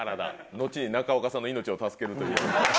のちに中岡さんの命を助けるという。